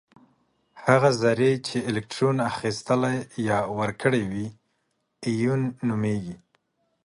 هغه ذرې چې الکترون اخیستلی یا ورکړی وي ایون نومیږي.